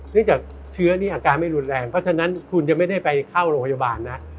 จากเชื้อนี่อาการไม่รุนแรงเพราะฉะนั้นคุณจะไม่ได้ไปเข้าโรงพยาบาลนะ